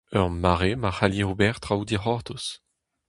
Ur mare ma c'halli ober traoù dic'hortoz.